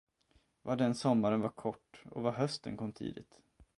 Vad den sommaren var kort, och vad hösten kom tidigt.